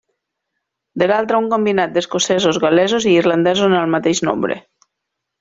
De l'altra, un combinat d'escocesos, gal·lesos i irlandesos en el mateix nombre.